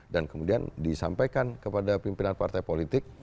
dan kemudian disampaikan kepada pimpinan partai politik